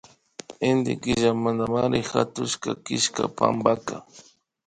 Inti Killamantamari hatushka killka pankaka